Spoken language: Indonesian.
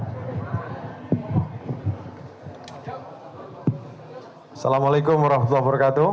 wassalamualaikum wr wb